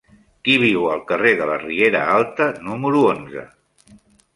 Qui viu al carrer de la Riera Alta número onze?